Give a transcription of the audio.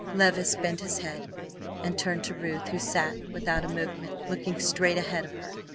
Levice bent his head, and turned to Ruth, who sat, without a movement, looking straight ahead of her.